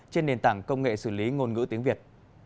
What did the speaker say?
trên nền tảng công nghệ xử lý ngôn ngữ tiếng việt